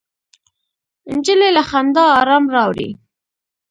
نجلۍ له خندا ارام راوړي.